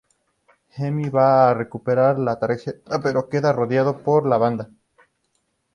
Jimmy va a recuperar la tarjeta, pero queda rodeado por la banda.